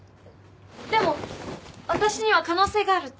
でも私には可能性があるって